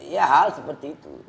ya hal seperti itu